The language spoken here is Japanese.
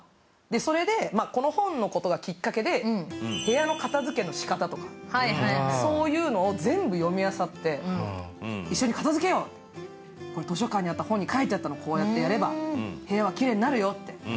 それで、この本のことがきっかけで部屋の片づけのしかたとかそういうのを全部読みあさって一緒に片づけようって図書館にあった本に書いてあったの、こうやってやれば部屋はきれいになるよって。